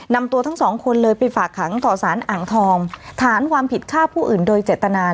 นำตัวทั้งสองคนเลยไปฝากขังต่อสารอ่างทองฐานความผิดฆ่าผู้อื่นโดยเจตนา